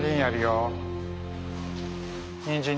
にんじん。